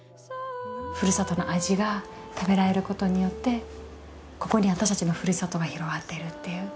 ふるさとの味が食べられることによってここに私たちのふるさとが広がってるっていう。